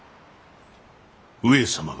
上様が。